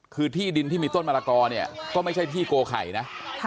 คือที่ดินที่มีต้นมะละกอเนี่ยก็ไม่ใช่ที่โกไข่นะ